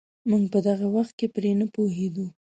موږ په دغه وخت کې پرې نه پوهېدو.